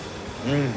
うん。